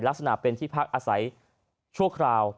ลักษณะเป็นที่พักอาศัยชั่วคราว